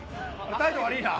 態度悪いな。